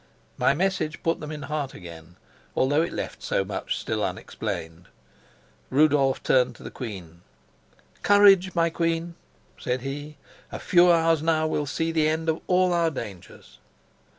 My message put them in heart again, although it left so much still unexplained. Rudolf turned to the queen. "Courage, my queen," said he. "A few hours now will see an end of all our dangers."